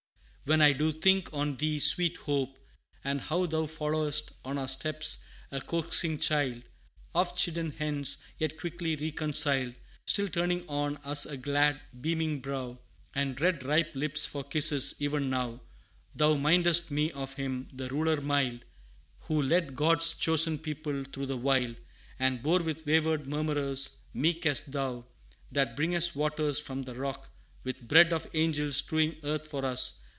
When I do think on thee, sweet Hope, and how Thou followest on our steps, a coaxing child Oft chidden hence, yet quickly reconciled, Still turning on us a glad, beaming brow, And red, ripe lips for kisses: even now Thou mindest me of him, the Ruler mild, Who led God's chosen people through the wild, And bore with wayward murmurers, meek as thou That bringest waters from the Rock, with bread Of angels strewing Earth for us!